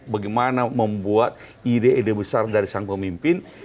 bagaimana membuat ide ide besar dari sang pemimpin